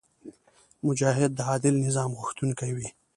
مجاهد د عادل نظام غوښتونکی وي.